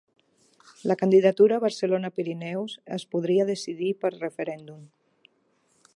La candidatura Barcelona-Pirineus es podria decidir per referèndum